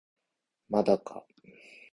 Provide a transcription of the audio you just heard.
まだか